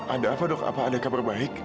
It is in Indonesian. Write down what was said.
ada apa dok apa ada kabar baik